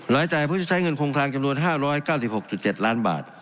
รายจ่ายเพื่อจะใช้เงินคงคลังจำนวน๕๙๖๗ล้านบาท